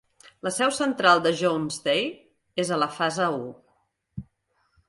La seu central de Jones Day és a la Fase I.